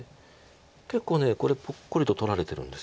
結構これポックリと取られてるんです。